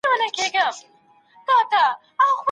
د ناروغ پوښتنې ته ورشئ.